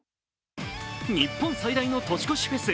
日本最大の年越しフェス